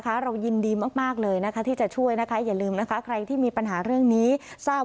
คุณไม่รู้ว่าคุณที่จะมีความหวังว่ามีพิวจีนแหล่ะด้วย